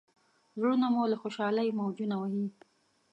زړونه مو له خوشالۍ موجونه وهي.